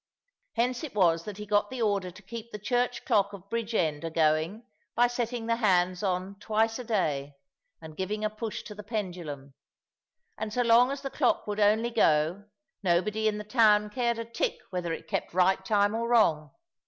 Hence it was that he got the order to keep the church clock of Bridgend a going by setting the hands on twice a day, and giving a push to the pendulum; and so long as the clock would only go, nobody in the town cared a tick whether it kept right time or wrong.